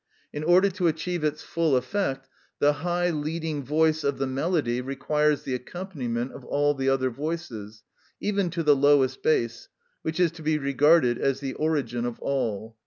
In order to achieve its full effect, the high leading voice of the melody requires the accompaniment of all the other voices, even to the lowest bass, which is to be regarded as the origin of all.